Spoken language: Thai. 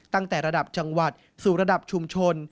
ตั้งแต่ระดับจังหวัดสู่ระดับชุมชน